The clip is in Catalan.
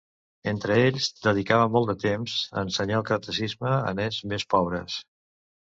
Entre ells, dedicava molt de temps a ensenyar el catecisme als nens més pobres.